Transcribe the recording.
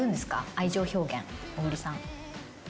愛情表現小栗さん。